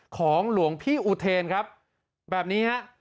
ของหลวงพี่อุเทรนครับแบบนี้ครับ